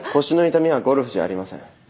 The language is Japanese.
腰の痛みはゴルフじゃありません。